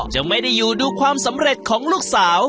จะไม่ได้อยู่ดูความสำเร็จของลูกสาว